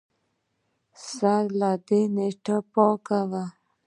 سره له دې نیتونه پاک وو